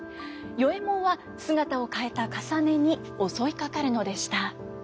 与右衛門は姿を変えたかさねに襲いかかるのでした。